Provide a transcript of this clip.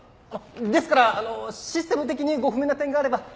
ですからあのシステム的にご不明な点があれば私にご相談ください。